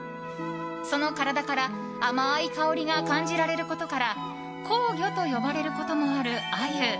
その体から甘い香りが感じられることから香魚と呼ばれることもあるアユ。